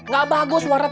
gak bagus warnet